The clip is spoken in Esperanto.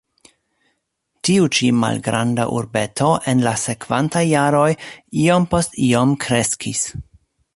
Tiu ĉi malgranda urbeto en la sekvantaj jaroj iom post iom kreskis.